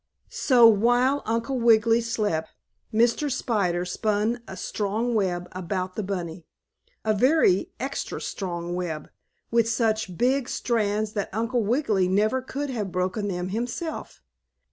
So while Uncle Wiggily slept, Mr. Spider spun a strong web about the bunny a very extra strong web, with such big strands that Uncle Wiggily never could have broken them himself.